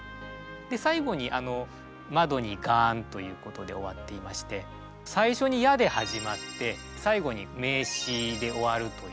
で最後に「窓にガーン」ということで終わっていまして最初に「や」で始まって最後に名詞で終わるという。